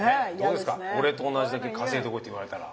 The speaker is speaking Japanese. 「俺とおなじだけ稼いでこい！」って言われたら。